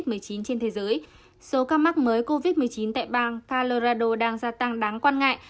dịch covid một mươi chín trên thế giới số ca mắc mới covid một mươi chín tại bang colorado đang gia tăng đáng quan ngại